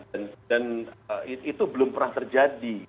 dan itu belum pernah terjadi